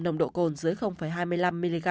nồng độ cồn dưới hai mươi năm mg